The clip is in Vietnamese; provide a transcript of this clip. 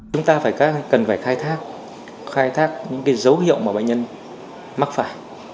chúng ta cần phải khai thác những dấu hiệu mà bệnh nhân mắc phải